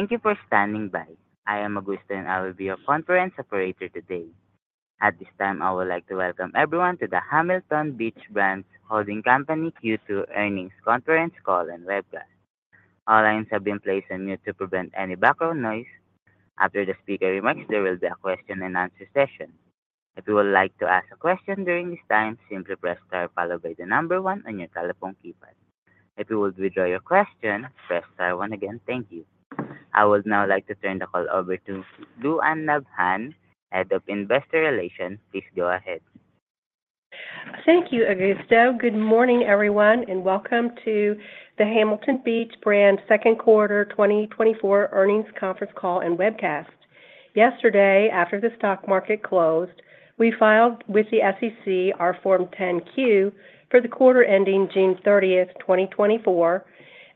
Thank you for standing by. I am Augusto, and I will be your conference operator today. At this time, I would like to welcome everyone to the Hamilton Beach Brands Holding Company Q2 earnings conference call and webcast. All lines have been placed on mute to prevent any background noise. After the speaker remarks, there will be a question-and-answer session. If you would like to ask a question during this time, simply press star followed by the number one on your telephone keypad. If you would withdraw your question, press star one again. Thank you. I would now like to turn the call over to Lou Anne Nabhan, Head of Investor Relations. Please go ahead. Thank you, Augusto. Good morning, everyone, and welcome to the Hamilton Beach Brands second quarter 2024 earnings conference call and webcast. Yesterday, after the stock market closed, we filed with the SEC our Form 10-Q for the quarter ending June 30th, 2024,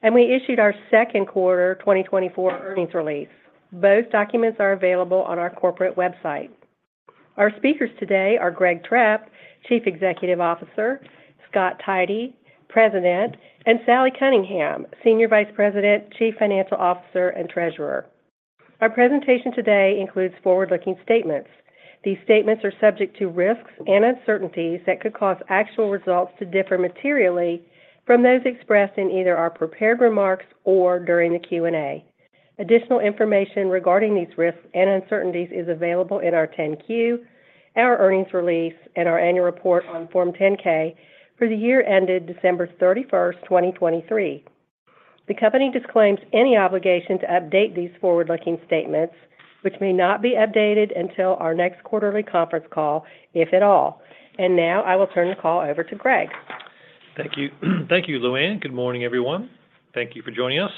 and we issued our second quarter 2024 earnings release. Both documents are available on our corporate website. Our speakers today are Greg Trepp, Chief Executive Officer, Scott Tidey, President, and Sally Cunningham, Senior Vice President, Chief Financial Officer, and Treasurer. Our presentation today includes forward-looking statements. These statements are subject to risks and uncertainties that could cause actual results to differ materially from those expressed in either our prepared remarks or during the Q&A. Additional information regarding these risks and uncertainties is available in our 10-Q, and our earnings release, and our annual report on Form 10-K for the year ended December 31st, 2023. The company disclaims any obligation to update these forward-looking statements, which may not be updated until our next quarterly conference call, if at all. Now I will turn the call over to Greg. Thank you. Thank you, Lou Anne. Good morning, everyone. Thank you for joining us.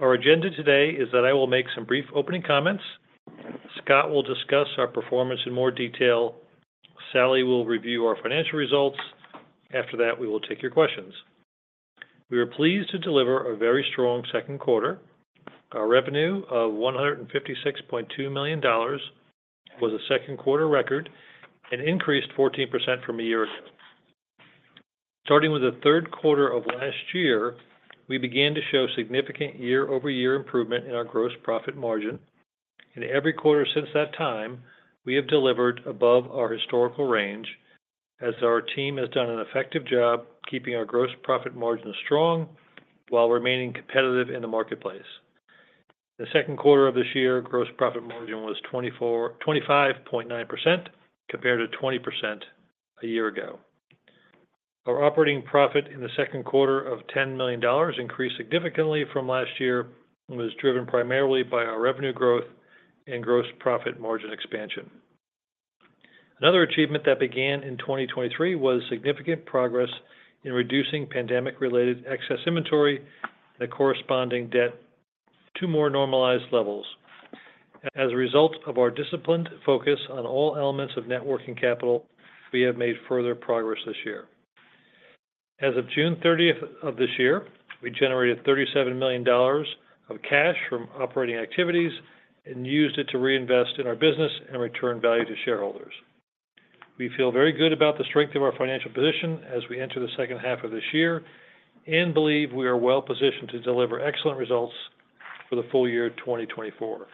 Our agenda today is that I will make some brief opening comments. Scott will discuss our performance in more detail. Sally will review our financial results. After that, we will take your questions. We are pleased to deliver a very strong second quarter. Our revenue of $156.2 million was a second quarter record and increased 14% from a year ago. Starting with the third quarter of last year, we began to show significant year-over-year improvement in our gross profit margin, and every quarter since that time, we have delivered above our historical range as our team has done an effective job keeping our gross profit margin strong while remaining competitive in the marketplace. The second quarter of this year, gross profit margin was 25.9%, compared to 20% a year ago. Our operating profit in the second quarter of $10 million increased significantly from last year and was driven primarily by our revenue growth and gross profit margin expansion. Another achievement that began in 2023 was significant progress in reducing pandemic-related excess inventory and the corresponding debt to more normalized levels. As a result of our disciplined focus on all elements of net working capital, we have made further progress this year. As of June 30th of this year, we generated $37 million of cash from operating activities and used it to reinvest in our business and return value to shareholders. We feel very good about the strength of our financial position as we enter the second half of this year and believe we are well-positioned to deliver excellent results for the full year of 2024.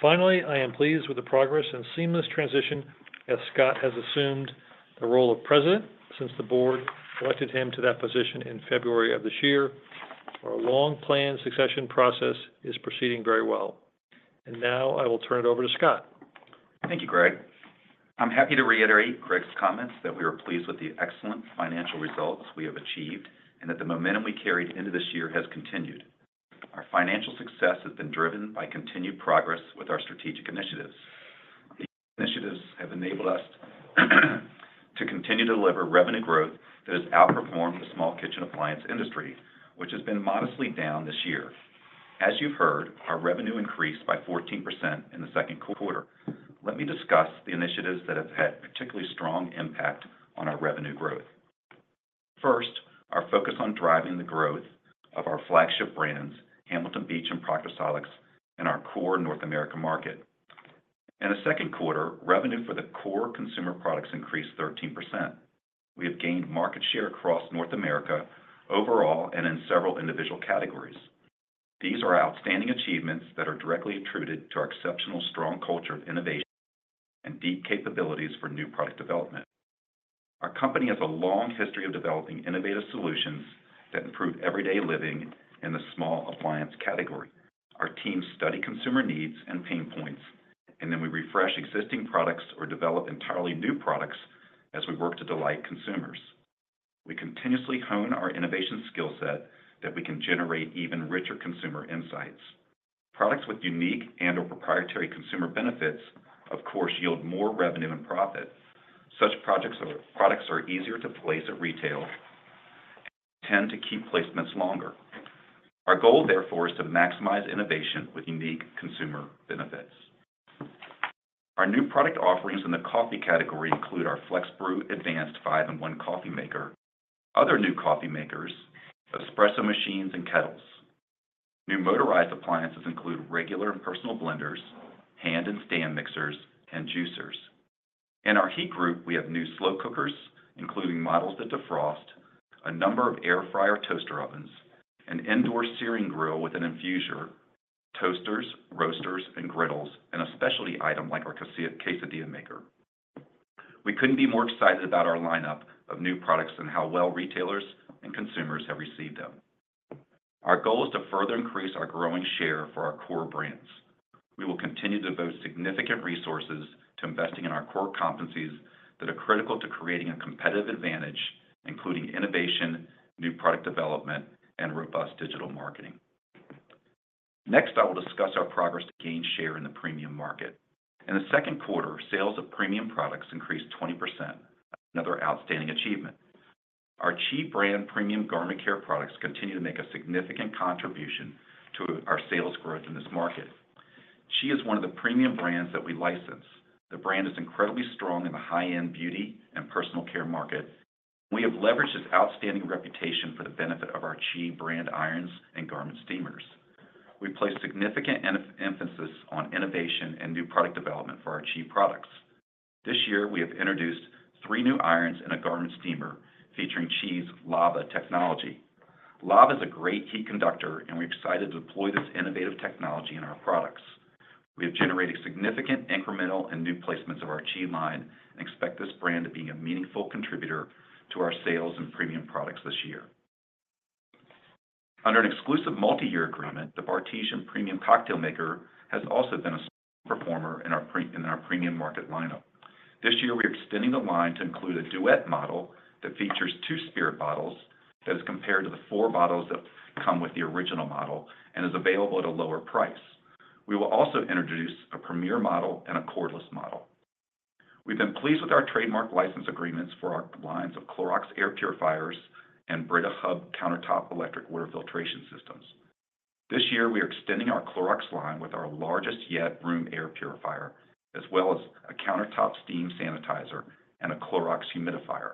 Finally, I am pleased with the progress and seamless transition as Scott has assumed the role of president since the board elected him to that position in February of this year. Our long-planned succession process is proceeding very well. Now I will turn it over to Scott. Thank you, Greg. I'm happy to reiterate Greg's comments that we are pleased with the excellent financial results we have achieved and that the momentum we carried into this year has continued. Our financial success has been driven by continued progress with our strategic initiatives. These initiatives have enabled us to continue to deliver revenue growth that has outperformed the small kitchen appliance industry, which has been modestly down this year. As you've heard, our revenue increased by 14% in the second quarter. Let me discuss the initiatives that have had particularly strong impact on our revenue growth. First, our focus on driving the growth of our flagship brands, Hamilton Beach and Proctor Silex, in our core North America market. In the second quarter, revenue for the core consumer products increased 13%. We have gained market share across North America overall and in several individual categories. These are outstanding achievements that are directly attributed to our exceptional strong culture of innovation and deep capabilities for new product development. Our company has a long history of developing innovative solutions that improve everyday living in the small appliance category. Our teams study consumer needs and pain points, and then we refresh existing products or develop entirely new products as we work to delight consumers. We continuously hone our innovation skill set that we can generate even richer consumer insights. Products with unique and/or proprietary consumer benefits, of course, yield more revenue and profit. Such products are easier to place at retail and tend to keep placements longer. Our goal, therefore, is to maximize innovation with unique consumer benefits. Our new product offerings in the coffee category include our FlexBrew Advanced 5-in-1 Coffee Maker, other new coffee makers, espresso machines, and kettles. New motorized appliances include regular and personal blenders, hand and stand mixers, and juicers. In our heat group, we have new slow cookers, including models that defrost, a number of air fryer toaster ovens, an indoor searing grill with an infuser, toasters, roasters, and griddles, and a specialty item like our quesadilla maker. We couldn't be more excited about our lineup of new products and how well retailers and consumers have received them. Our goal is to further increase our growing share for our core brands. We will continue to devote significant resources to investing in our core competencies that are critical to creating a competitive advantage, including innovation, new product development, and robust digital marketing. Next, I will discuss our progress to gain share in the premium market. In the second quarter, sales of premium products increased 20%, another outstanding achievement. Our CHI brand premium garment care products continue to make a significant contribution to our sales growth in this market. CHI is one of the premium brands that we license. The brand is incredibly strong in the high-end beauty and personal care market. We have leveraged its outstanding reputation for the benefit of our CHI brand irons and garment steamers. We place significant emphasis on innovation and new product development for our CHI products. This year, we have introduced three new irons and a garment steamer featuring CHI's Lava technology. Lava is a great heat conductor, and we're excited to deploy this innovative technology in our products. We have generated significant incremental and new placements of our CHI line and expect this brand to be a meaningful contributor to our sales and premium products this year. Under an exclusive multi-year agreement, the Bartesian premium cocktail maker has also been a strong performer in our premium market lineup. This year, we are extending the line to include a Duet model that features two spirit bottles, as compared to the four bottles that come with the original model and is available at a lower price. We will also introduce a Premier model and a cordless model. We've been pleased with our trademark license agreements for our lines of Clorox air purifiers and Brita Hub countertop electric water filtration systems. This year, we are extending our Clorox line with our largest yet room air purifier, as well as a countertop steam sanitizer and a Clorox humidifier.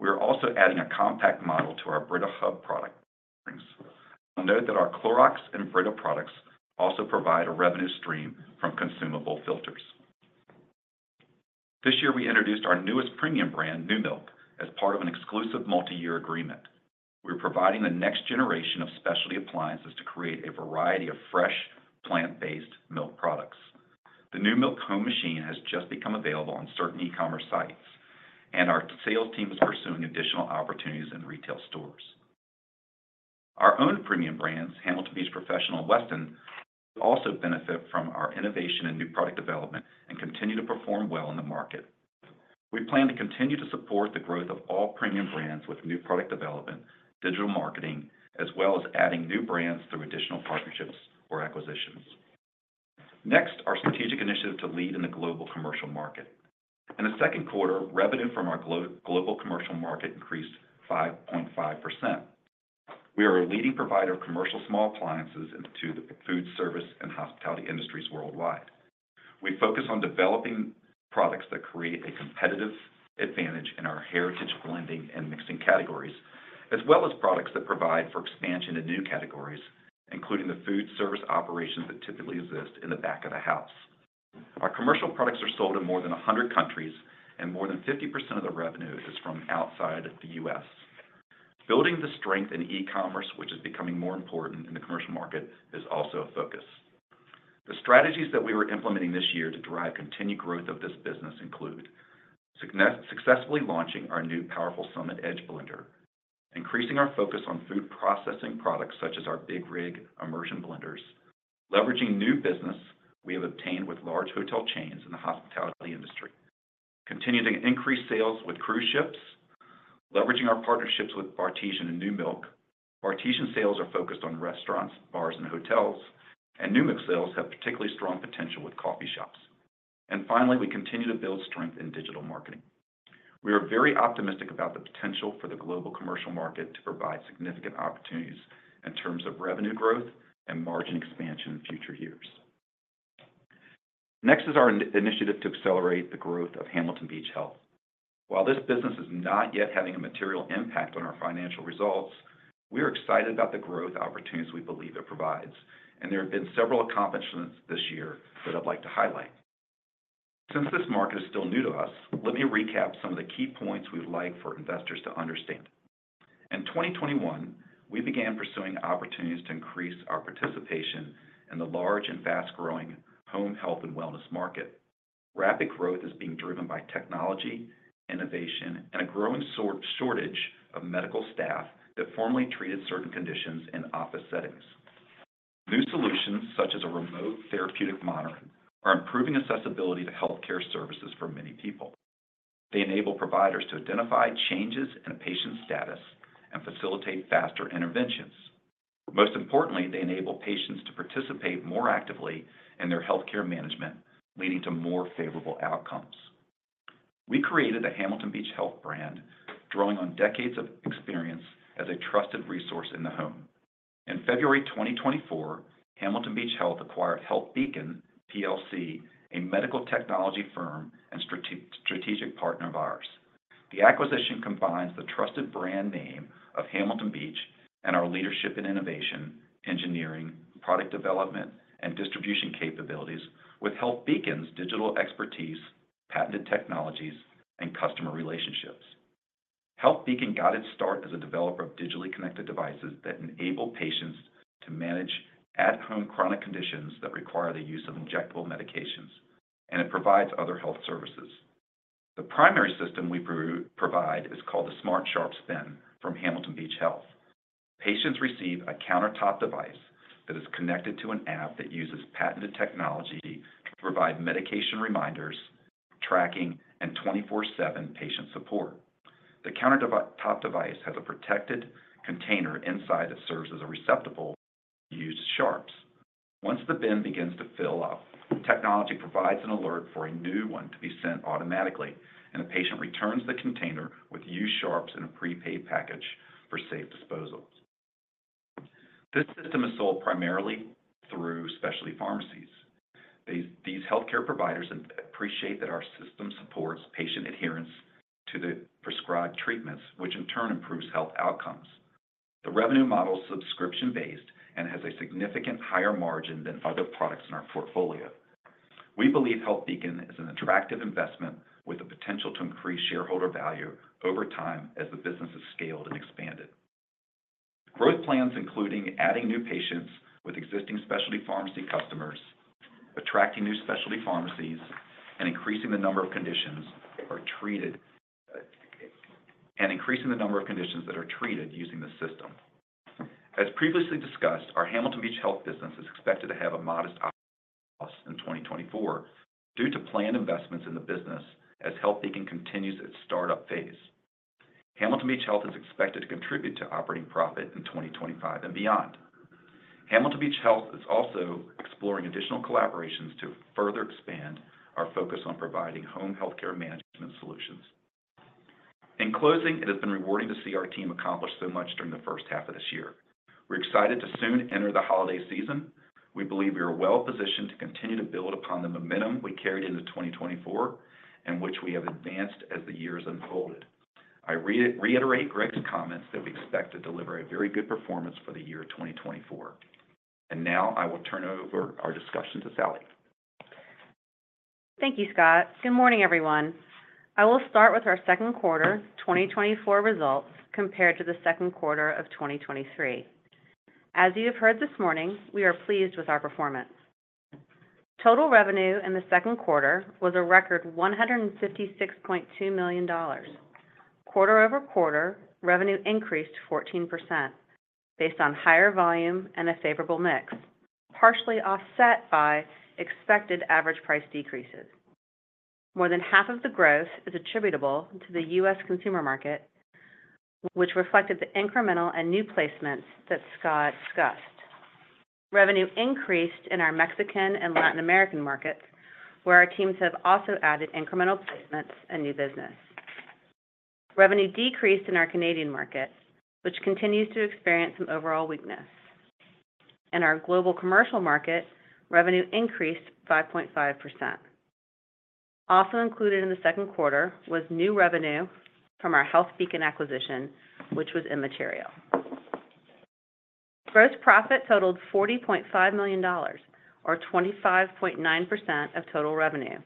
We are also adding a compact model to our Brita Hub product offerings. You'll note that our Clorox and Brita products also provide a revenue stream from consumable filters. This year, we introduced our newest premium brand, Numilk, as part of an exclusive multi-year agreement. We're providing the next generation of specialty appliances to create a variety of fresh, plant-based milk products. The Numilk Home machine has just become available on certain e-commerce sites, and our sales team is pursuing additional opportunities in retail stores. Our own premium brands, Hamilton Beach Professional and Weston, also benefit from our innovation and new product development and continue to perform well in the market. We plan to continue to support the growth of all premium brands with new product development, digital marketing, as well as adding new brands through additional partnerships or acquisitions. Next, our strategic initiative to lead in the global commercial market. In the second quarter, revenue from our global commercial market increased 5.5%. We are a leading provider of commercial small appliances into the food service and hospitality industries worldwide. We focus on developing products that create a competitive advantage in our heritage blending and mixing categories, as well as products that provide for expansion to new categories, including the food service operations that typically exist in the back of the house. Our commercial products are sold in more than 100 countries, and more than 50% of the revenue is from outside the U.S. Building the strength in e-commerce, which is becoming more important in the commercial market, is also a focus. The strategies that we are implementing this year to drive continued growth of this business include: successfully launching our new powerful Summit Edge blender, increasing our focus on food processing products such as our Big Rig immersion blenders, leveraging new business we have obtained with large hotel chains in the hospitality industry, continuing to increase sales with cruise ships, leveraging our partnerships with Bartesian and Numilk. Bartesian sales are focused on restaurants, bars, and hotels, and Numilk sales have particularly strong potential with coffee shops. And finally, we continue to build strength in digital marketing. We are very optimistic about the potential for the global commercial market to provide significant opportunities in terms of revenue growth and margin expansion in future years. Next is our initiative to accelerate the growth of Hamilton Beach Health. While this business is not yet having a material impact on our financial results, we are excited about the growth opportunities we believe it provides, and there have been several accomplishments this year that I'd like to highlight. Since this market is still new to us, let me recap some of the key points we'd like for investors to understand. In 2021, we began pursuing opportunities to increase our participation in the large and fast-growing home health and wellness market. Rapid growth is being driven by technology, innovation, and a growing shortage of medical staff that formerly treated certain conditions in office settings. New solutions, such as a remote therapeutic monitor, are improving accessibility to healthcare services for many people. They enable providers to identify changes in a patient's status and facilitate faster interventions. Most importantly, they enable patients to participate more actively in their healthcare management, leading to more favorable outcomes. We created the Hamilton Beach Health brand, drawing on decades of experience as a trusted resource in the home. In February 2024, Hamilton Beach Health acquired HealthBeacon PLC, a medical technology firm and strategic partner of ours. The acquisition combines the trusted brand name of Hamilton Beach and our leadership in innovation, engineering, product development, and distribution capabilities, with HealthBeacon's digital expertise, patented technologies, and customer relationships. HealthBeacon got its start as a developer of digitally connected devices that enable patients to manage at-home chronic conditions that require the use of injectable medications, and it provides other health services. The primary system we provide is called the Smart Sharps Bin from Hamilton Beach Health. Patients receive a countertop device that is connected to an app that uses patented technology to provide medication reminders, tracking, and 24/7 patient support. The countertop device has a protected container inside that serves as a receptacle for used sharps. Once the bin begins to fill up, technology provides an alert for a new one to be sent automatically, and the patient returns the container with used sharps in a prepaid package for safe disposal. This system is sold primarily through specialty pharmacies. These healthcare providers appreciate that our system supports patient adherence to the prescribed treatments, which in turn improves health outcomes. The revenue model is subscription-based and has a significant higher margin than other products in our portfolio. We believe HealthBeacon is an attractive investment with the potential to increase shareholder value over time as the business is scaled and expanded. Growth plans, including adding new patients with existing specialty pharmacy customers, attracting new specialty pharmacies, and increasing the number of conditions are treated- and increasing the number of conditions that are treated using the system. As previously discussed, our Hamilton Beach Health business is expected to have a modest loss in 2024 due to planned investments in the business as HealthBeacon continues its startup phase. Hamilton Beach Health is expected to contribute to operating profit in 2025 and beyond. Hamilton Beach Health is also exploring additional collaborations to further expand our focus on providing home healthcare management solutions. In closing, it has been rewarding to see our team accomplish so much during the first half of this year. We're excited to soon enter the holiday season. We believe we are well positioned to continue to build upon the momentum we carried into 2024, and which we have advanced as the years unfolded. I reiterate Greg's comments that we expect to deliver a very good performance for the year 2024. Now I will turn over our discussion to Sally. Thank you, Scott. Good morning, everyone. I will start with our second quarter 2024 results compared to the second quarter of 2023. As you have heard this morning, we are pleased with our performance. Total revenue in the second quarter was a record $156.2 million. Quarter-over-quarter, revenue increased 14% based on higher volume and a favorable mix, partially offset by expected average price decreases. More than half of the growth is attributable to the U.S. consumer market, which reflected the incremental and new placements that Scott discussed. Revenue increased in our Mexican and Latin American markets, where our teams have also added incremental placements and new business. Revenue decreased in our Canadian market, which continues to experience some overall weakness. In our global commercial market, revenue increased 5.5%. Also included in the second quarter was new revenue from our HealthBeacon acquisition, which was immaterial. Gross profit totaled $40.5 million, or 25.9% of total revenue,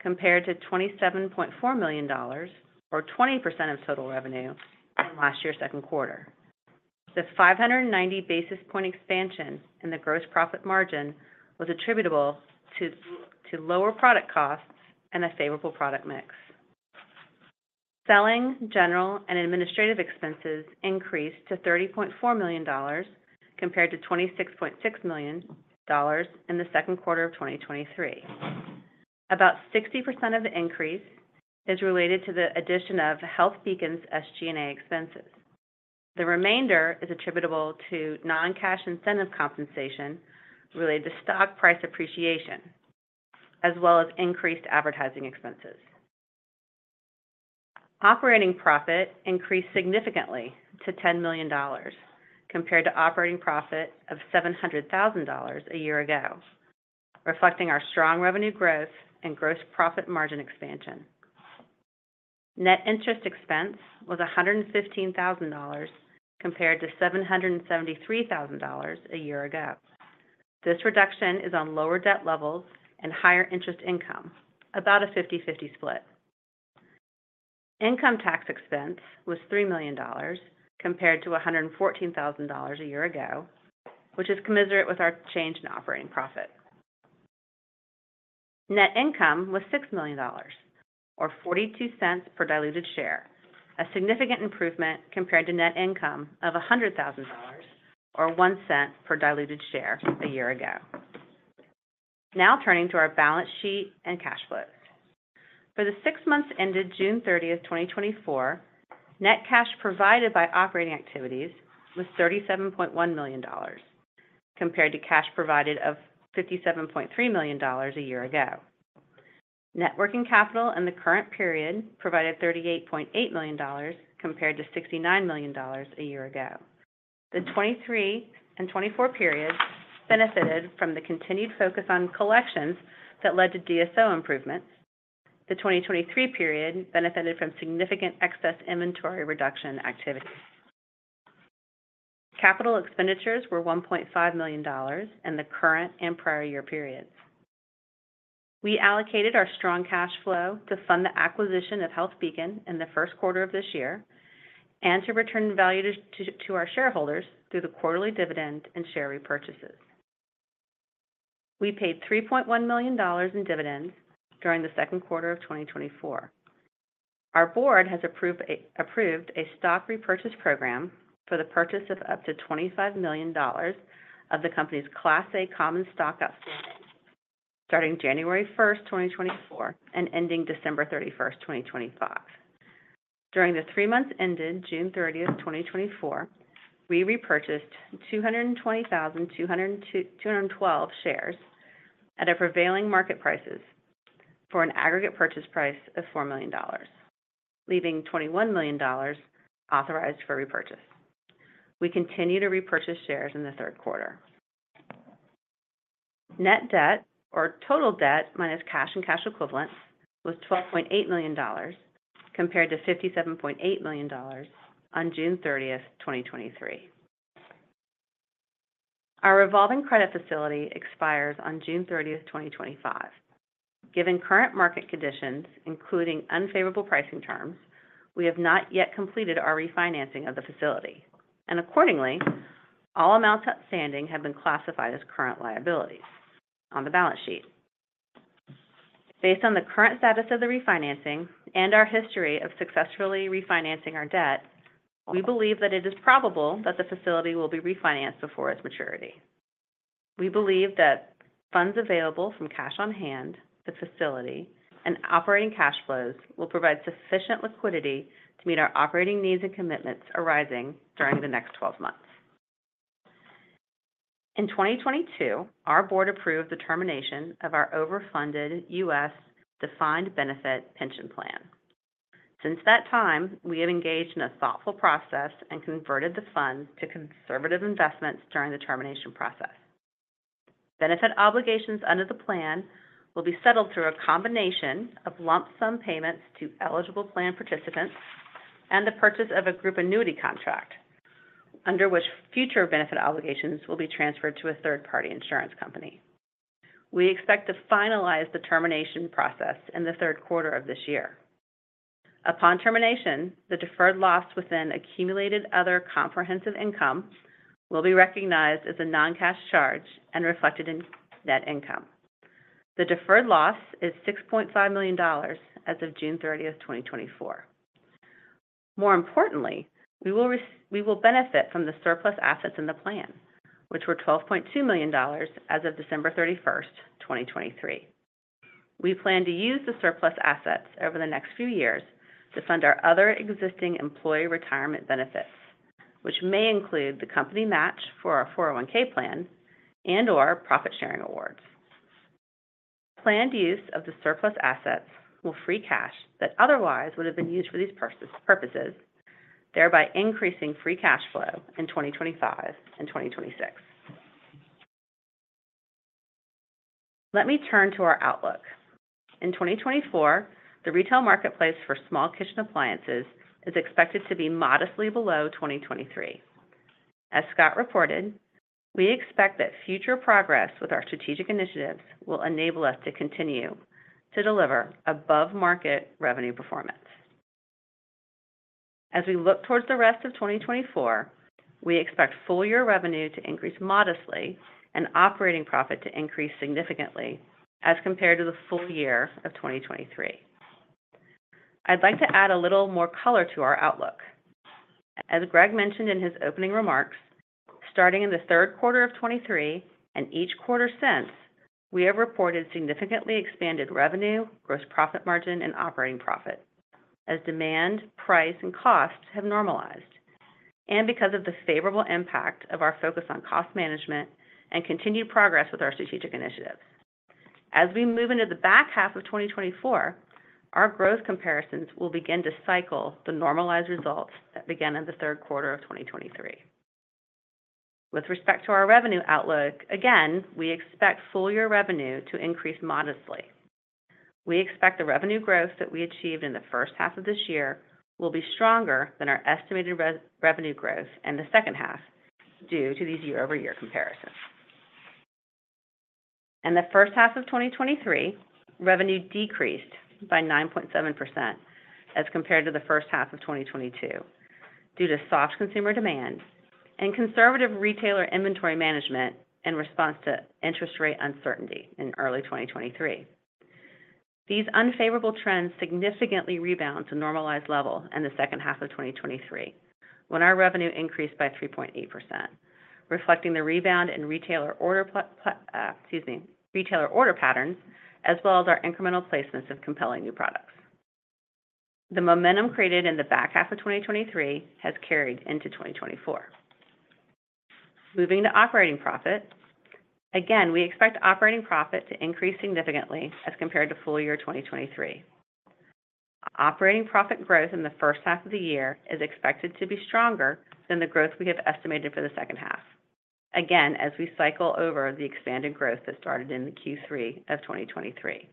compared to $27.4 million, or 20% of total revenue from last year's second quarter. The 590 basis point expansion in the gross profit margin was attributable to lower product costs and a favorable product mix. Selling, general, and administrative expenses increased to $30.4 million, compared to $26.6 million in the second quarter of 2023. About 60% of the increase is related to the addition of HealthBeacon's SG&A expenses. The remainder is attributable to non-cash incentive compensation related to stock price appreciation, as well as increased advertising expenses. Operating profit increased significantly to $10 million, compared to operating profit of $700,000 a year ago, reflecting our strong revenue growth and gross profit margin expansion. Net interest expense was $115,000, compared to $773,000 a year ago. This reduction is on lower debt levels and higher interest income, about a 50/50 split. Income tax expense was $3 million, compared to $114,000 a year ago, which is commensurate with our change in operating profit. Net income was $6 million, or $0.42 per diluted share, a significant improvement compared to net income of $100,000, or $0.01 per diluted share a year ago. Now turning to our balance sheet and cash flow. For the six months ended June 30th, 2024, net cash provided by operating activities was $37.1 million, compared to cash provided of $57.3 million a year ago. Net working capital in the current period provided $38.8 million, compared to $69 million a year ago. The 2023 and 2024 periods benefited from the continued focus on collections that led to DSO improvements. The 2023 period benefited from significant excess inventory reduction activities. Capital expenditures were $1.5 million in the current and prior year periods. We allocated our strong cash flow to fund the acquisition of HealthBeacon in the first quarter of this year, and to return value to our shareholders through the quarterly dividend and share repurchases. We paid $3.1 million in dividends during the second quarter of 2024. Our board has approved a stock repurchase program for the purchase of up to $25 million of the company's Class A common stock outstanding, starting January 1st, 2024, and ending December 31st, 2025. During the three months ended June 30th, 2024, we repurchased 212,202 shares at prevailing market prices for an aggregate purchase price of $4 million, leaving $21 million authorized for repurchase. We continue to repurchase shares in the third quarter. Net debt, or total debt minus cash and cash equivalents, was $12.8 million, compared to $57.8 million on June 30th, 2023. Our revolving credit facility expires on June 30th, 2025. Given current market conditions, including unfavorable pricing terms, we have not yet completed our refinancing of the facility, and accordingly, all amounts outstanding have been classified as current liabilities on the balance sheet. Based on the current status of the refinancing and our history of successfully refinancing our debt, we believe that it is probable that the facility will be refinanced before its maturity. We believe that funds available from cash on hand, the facility, and operating cash flows will provide sufficient liquidity to meet our operating needs and commitments arising during the next 12 months. In 2022, our board approved the termination of our overfunded U.S. defined benefit pension plan. Since that time, we have engaged in a thoughtful process and converted the fund to conservative investments during the termination process. Benefit obligations under the plan will be settled through a combination of lump sum payments to eligible plan participants and the purchase of a group annuity contract, under which future benefit obligations will be transferred to a third-party insurance company. We expect to finalize the termination process in the third quarter of this year. Upon termination, the deferred loss within Accumulated Other Comprehensive Income will be recognized as a non-cash charge and reflected in net income. The deferred loss is $6.5 million as of June 30th, 2024. More importantly, we will benefit from the surplus assets in the plan, which were $12.2 million as of December 31st, 2023. We plan to use the surplus assets over the next few years to fund our other existing employee retirement benefits, which may include the company match for our 401(k) plan and/or profit sharing awards. Planned use of the surplus assets will free cash that otherwise would have been used for these purposes, thereby increasing free cash flow in 2025 and 2026. Let me turn to our outlook. In 2024, the retail marketplace for small kitchen appliances is expected to be modestly below 2023. As Scott reported, we expect that future progress with our strategic initiatives will enable us to continue to deliver above-market revenue performance. As we look towards the rest of 2024, we expect full year revenue to increase modestly and operating profit to increase significantly as compared to the full year of 2023. I'd like to add a little more color to our outlook. As Greg mentioned in his opening remarks, starting in the third quarter of 2023, and each quarter since, we have reported significantly expanded revenue, gross profit margin, and operating profit, as demand, price, and costs have normalized, and because of the favorable impact of our focus on cost management and continued progress with our strategic initiatives. As we move into the back half of 2024, our growth comparisons will begin to cycle the normalized results that began in the third quarter of 2023. With respect to our revenue outlook, again, we expect full year revenue to increase modestly. We expect the revenue growth that we achieved in the first half of this year will be stronger than our estimated revenue growth in the second half due to these year-over-year comparisons. In the first half of 2023, revenue decreased by 9.7% as compared to the first half of 2022, due to soft consumer demand and conservative retailer inventory management in response to interest rate uncertainty in early 2023. These unfavorable trends significantly rebound to normalized level in the second half of 2023, when our revenue increased by 3.8%, reflecting the rebound in retailer order, excuse me, retailer order patterns, as well as our incremental placements of compelling new products. The momentum created in the back half of 2023 has carried into 2024. Moving to operating profit. Again, we expect operating profit to increase significantly as compared to full year 2023. Operating profit growth in the first half of the year is expected to be stronger than the growth we have estimated for the second half. Again, as we cycle over the expanded growth that started in the Q3 of 2023.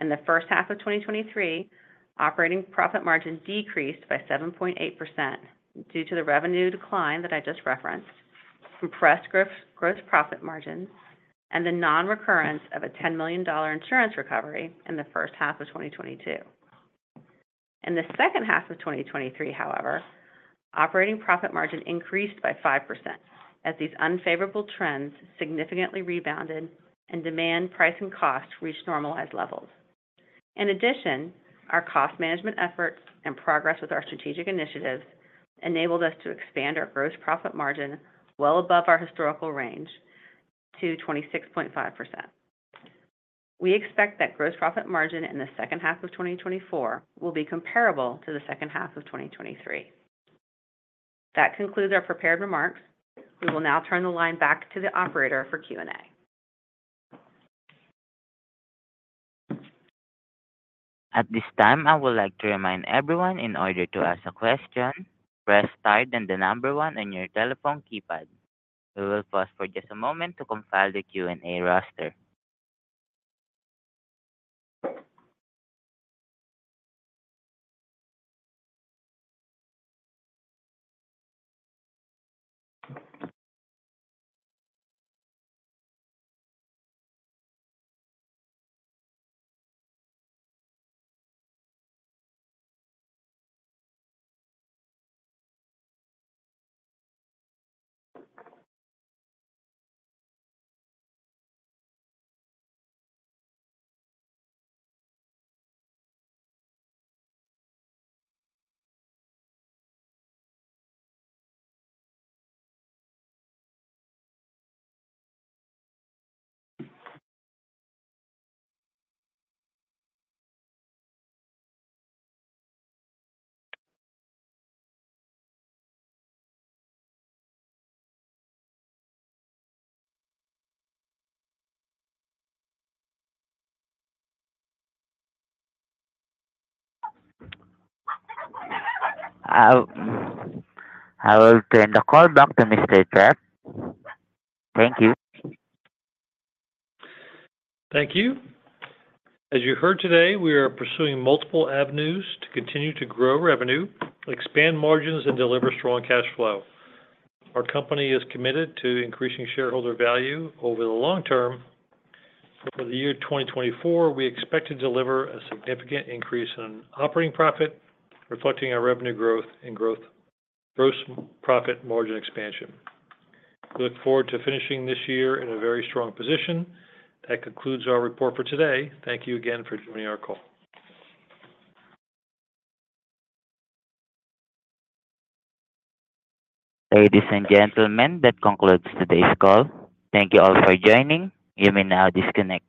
In the first half of 2023, operating profit margin decreased by 7.8% due to the revenue decline that I just referenced, compressed gross, gross profit margins, and the non-recurrence of a $10 million insurance recovery in the first half of 2022. In the second half of 2023, however, operating profit margin increased by 5% as these unfavorable trends significantly rebounded and demand, price, and cost reached normalized levels. In addition, our cost management efforts and progress with our strategic initiatives enabled us to expand our gross profit margin well above our historical range to 26.5%. We expect that gross profit margin in the second half of 2024 will be comparable to the second half of 2023. That concludes our prepared remarks. We will now turn the line back to the operator for Q&A. At this time, I would like to remind everyone, in order to ask a question, press star then the number one on your telephone keypad. We will pause for just a moment to compile the Q&A roster. I will turn the call back to Mr. Trepp. Thank you. Thank you. As you heard today, we are pursuing multiple avenues to continue to grow revenue, expand margins, and deliver strong cash flow. Our company is committed to increasing shareholder value over the long term. For the year 2024, we expect to deliver a significant increase in operating profit, reflecting our revenue growth and gross profit margin expansion. We look forward to finishing this year in a very strong position. That concludes our report for today. Thank you again for joining our call. Ladies and gentlemen, that concludes today's call. Thank you all for joining. You may now disconnect.